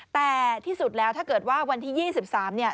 แต่ที่สุดแล้วถ้าเกิดว่าวันที่๒๓เนี่ย